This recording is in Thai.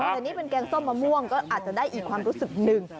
แต่นี่เป็นแกงส้มมะม่วงก็อาจจะได้อีกความรู้สึกหนึ่ง